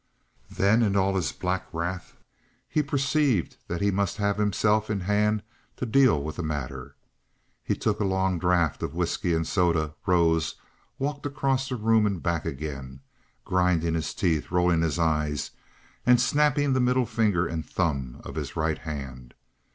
Then, in all his black wrath, he perceived that he must have himself in hand to deal with the matter. He took a long draught of whisky and soda, rose, walked across the room and back again, grinding his teeth, rolling his eyes, and snapping the middle finger and thumb of his right hand.